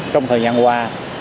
trong thời gian qua